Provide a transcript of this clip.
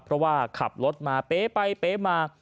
เพราะว่าขับรถมาเป๊ไปเป๊มา